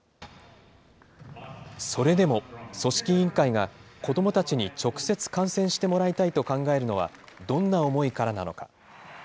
それでも組織委員会が、子どもたちに直接観戦してもらいたいと考えるのは、どんな思いからなのか。